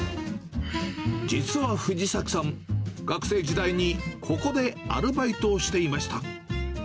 実は藤崎さん、学生時代にここでアルバイトをしていました。